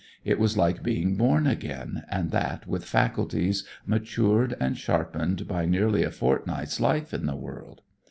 It was like being born again, and that with faculties matured and sharpened by nearly a fortnight's life in the world.